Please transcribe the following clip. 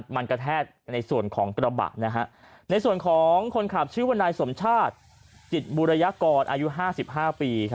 มันกระแทกในส่วนของกระบะในส่วนของคนขับชื่อว่านายสมชาติจิตบูรยากรอายุ๕๕ปี